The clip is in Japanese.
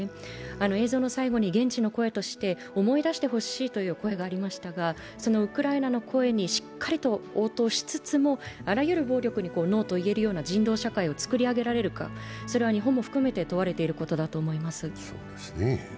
映像の最後に現地の声として思い出してほしいという声がありましたがそのウクライナの声にしっかりと応答しつつもあらゆる暴力にノーと言えるような人道社会を作り上げられるかそれは日本も含めて問われていることだと思います。